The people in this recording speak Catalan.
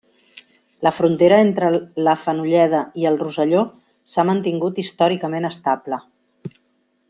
La frontera entre la Fenolleda i el Rosselló s'ha mantingut històricament estable.